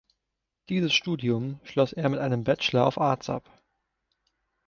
Dieses Studium schloss er mit einem Bachelor of Arts ab.